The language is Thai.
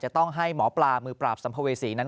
ต้องให้หมอปลามือปราบสัมภเวษีนั้น